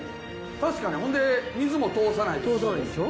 確かにほんで水も通さないですし通さないでしょ